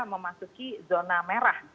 memasuki zona merah